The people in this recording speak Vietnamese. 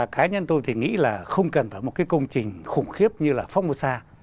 cái nhân tôi thì nghĩ là không cần phải một cái công trình khủng khiếp như là phong mô sa